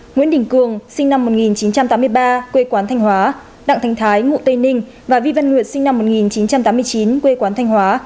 nguyễn đình cường sinh năm một nghìn chín trăm tám mươi ba quê quán thanh hóa đặng thành thái ngụ tây ninh và vi văn nguyệt sinh năm một nghìn chín trăm tám mươi chín quê quán thanh hóa